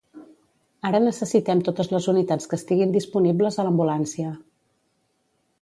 Ara necessitem totes les unitats que estiguin disponibles a l'ambulància.